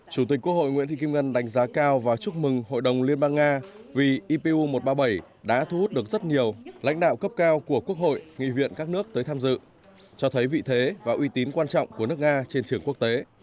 chủ tịch quốc hội nguyễn thị kim ngân đánh giá cao và chúc mừng hội đồng liên bang nga vì ipu một trăm ba mươi bảy đã thu hút được rất nhiều lãnh đạo cấp cao của quốc hội nghị các nước tới tham dự cho thấy vị thế và uy tín quan trọng của nước nga trên trường quốc tế